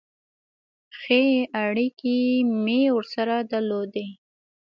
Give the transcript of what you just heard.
ښې اړیکې مې ورسره درلودې.